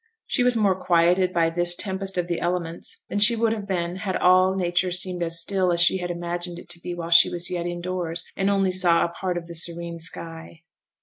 She was more quieted by this tempest of the elements than she would have been had all nature seemed as still as she had imagined it to be while she was yet in doors and only saw a part of the serene sky.